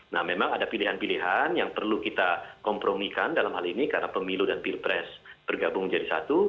nah memang ada pilihan pilihan yang perlu kita kompromikan dalam hal ini karena pemilu dan pilpres bergabung menjadi satu